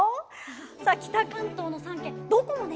さあ北関東の３県どこもね